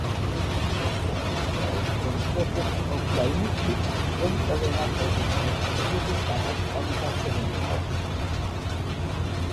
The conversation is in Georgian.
ბევრი ისტორიკოსი აღიარებს, რომ სერვეტი მოკვდა იმისთვის, რომ ტოლერანტობის მოთხოვნილების ნაპერწკალი გაჩენილიყო.